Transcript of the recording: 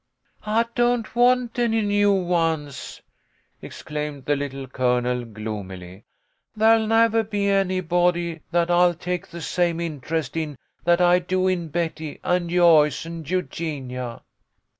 " I don't want any new ones," exclaimed the Little Colonel, gloomily. "There'll nevah be any body that I'll take the same interest in that I do in Betty and Joyce and Eugenia."